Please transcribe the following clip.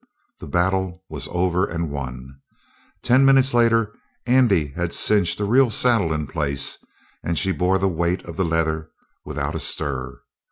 The battle was over and won. Ten minutes later Andrew had cinched a real saddle in place, and she bore the weight of the leather without a stir.